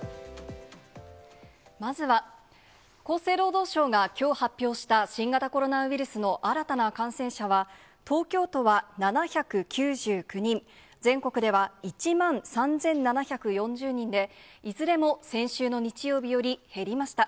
まずは、厚生労働省がきょう発表した新型コロナウイルスの新たな感染者は、東京都は７９９人、全国では１万３７４０人で、いずれも先週の日曜日より減りました。